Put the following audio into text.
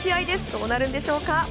どうなるんでしょうか。